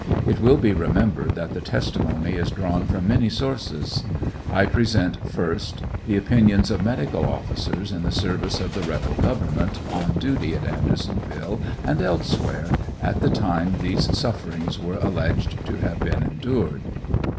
It will be remembered that the testimony is drawn from many sources. I present, 1st. The opinions of medical officers in the service of the rebel government, on duty at Andersonville and elsewhere, at the time these sufi'er TRIAL OF HENRY WIRZ. 733 ings are alleged to have been endured.